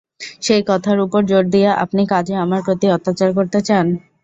সেই কথার উপর জোর দিয়ে আপনি কাজে আমার প্রতি অত্যাচার করতে চান?